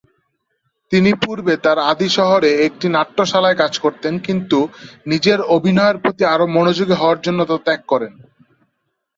তিনি পূর্বে তার আদি শহরে একটি নাট্যশালায় কাজ করতেন, কিন্তু নিজের অভিনয়ের প্রতি আরো মনোযোগী হওয়ার জন্য তা ত্যাগ করেন।